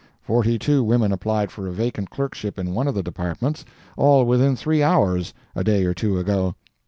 Forty two women applied for a vacant clerkship in one of the Departments, all within three hours, a day or two ago.